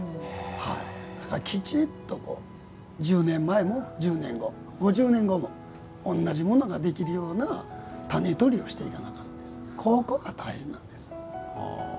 だから、きちっと１０年前も１０年後も５０年後も同じものができるような種取りをしていかないといけないそれが大変なんです。